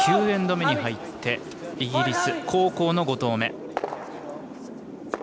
９エンド目に入ってイギリス、後攻の５投目。